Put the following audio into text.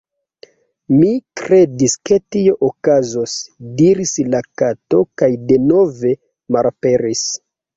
"Mi kredis ke tio okazos," diris la Kato kaj denove malaperis.